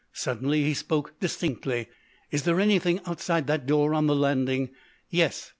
Suddenly he spoke distinctly: "Is there anything outside that door on the landing?" "Yes....